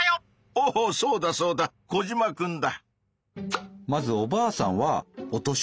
おおそうだそうだコジマくんだ。